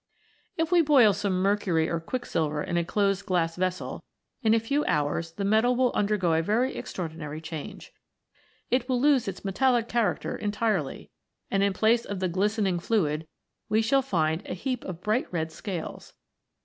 If we boil some mercury or quicksilver in a closed glass vessel, in a few hours the metal will undergo a very extraordinary change. It will lose its me tallic character entirely, and in place of the glis tening fluid we shall find a heap of bright red scales.